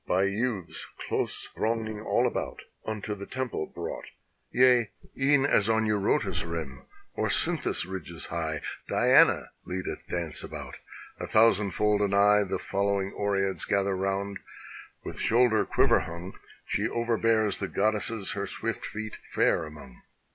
By youths close thronging all about unto the temple brought. Yea, e'en as on Euxotas' rim or Cynthus' ridges high Diana leadeth dance about, a thousand fold anigh The following Oreads gather round, with shoulder quiver hung She overbears the goddesses her swift feet fare among.